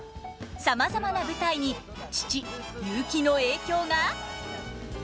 さまざまな舞台に父雄輝の影響が？